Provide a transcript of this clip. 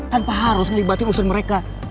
tanpa harus ngelibatin urusan mereka